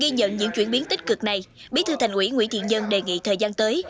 ghi nhận những chuyển biến tích cực này bí thư thành ủy nguyễn thiện nhân đề nghị thời gian tới